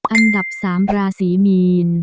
อันดับ๓ราศีมีน